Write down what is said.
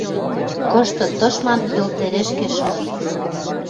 Кышты тышман Йыл тӹрӹшкӹ шон.